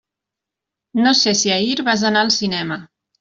No sé si ahir vas anar al cinema.